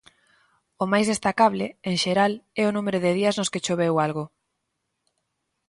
O máis destacable, en xeral, é o número de días nos que choveu algo.